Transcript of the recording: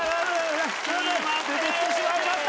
出てきてしまいました。